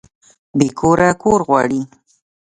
بې کوره کور غواړي